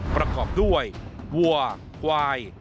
ประกอบด้วยวัวควาย